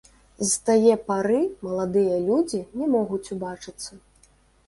З тае пары маладыя людзі не могуць убачыцца.